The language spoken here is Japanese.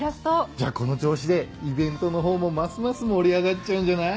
じゃあこの調子でイベントの方もますます盛り上がっちゃうんじゃない？